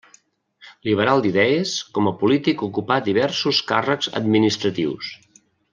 Liberal d'idees, com a polític ocupà diversos càrrecs administratius.